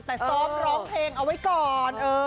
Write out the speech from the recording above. แต่ซ้อมร้องเพลงเอาไว้ก่อน